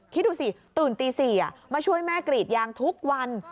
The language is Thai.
คิดดูสิตื่นตี๔มาช่วยแม่กรีดยางทุกวัน